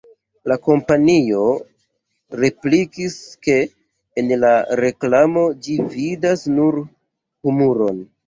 La kompanio replikis, ke en la reklamo ĝi vidas nur humuron.